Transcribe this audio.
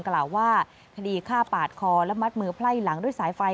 กล่าวว่าคดีฆ่าปาดคอและมัดมือไพ่หลังด้วยสายไฟ